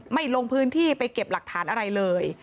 ลงพื้นที่ไปเก็บหลักฐานอะไรเลย